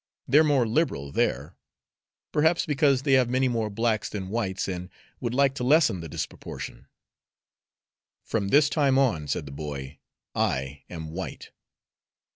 They're more liberal there, perhaps because they have many more blacks than whites, and would like to lessen the disproportion." "From this time on," said the boy, "I am white."